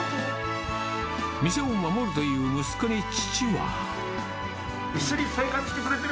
店を守るという息子に父は。